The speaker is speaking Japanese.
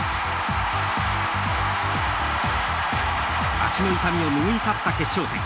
足の痛みを拭い去った決勝点。